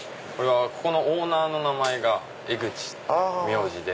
ここのオーナーの名前が江口って名字で。